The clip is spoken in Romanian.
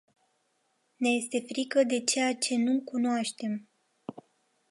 Ne este frică de ceea ce nu cunoaștem.